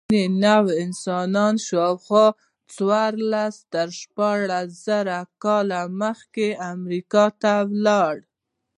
ځینې نوعې انسان شاوخوا څوارلس تر شپاړس زره کاله مخکې امریکا ته ولاړ.